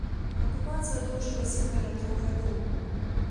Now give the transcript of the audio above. Акупацыя доўжылася каля трох гадоў.